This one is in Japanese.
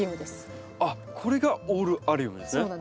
これがオールアリウムですね。